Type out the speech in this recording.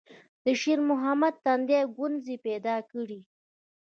د شېرمحمد تندي ګونځې پيدا کړې.